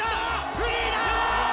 フリーだ！